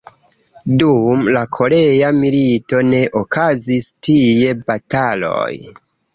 Dum la Korea milito ne okazis tie bataloj.